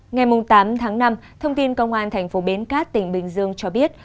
ngày tám tháng năm thông tin công an tp bến cát tỉnh bình dương cho biết